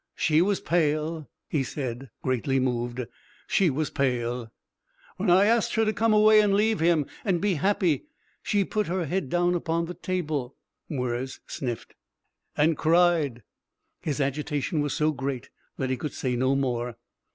"She was pale," he said, greatly moved; "She was pale. When I asked her to come away and leave him and be happy she put her head down upon the table" Mwres sniffed "and cried." His agitation was so great that he could say no more.